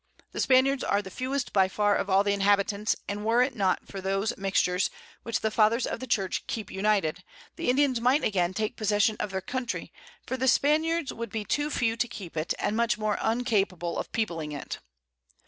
The Spaniards are the fewest by far of all the Inhabitants; and were it not for those Mixtures, which the Fathers of the Church keep united, the Indians might again take possession of their Country, for the Spaniards would be too few to keep it, and much more uncapable of peopling it.